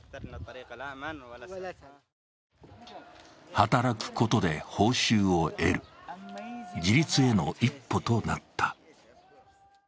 働くことで報酬を得る、自立への一歩となった。